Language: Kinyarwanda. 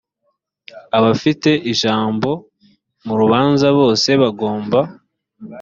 abafite ijambo mu rubanza bose bagomba